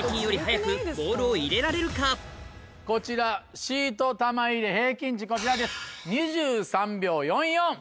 果たしてこちら「シート玉入れ」平均値こちらです。